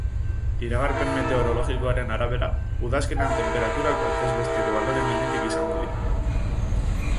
Iragarpen meteorologikoaren arabera, udazkenean tenperaturak batez besteko baloreen gainetik izango dira.